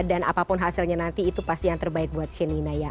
dan apapun hasilnya nanti itu pasti yang terbaik buat shenina ya